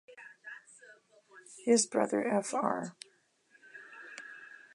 His brother Fr.